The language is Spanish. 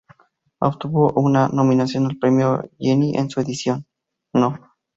Obtuvo una nominación al premio Genie en su edición No.